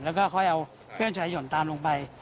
แล้วก็ค่อยเอาเพื่อนชายหนตามลงไป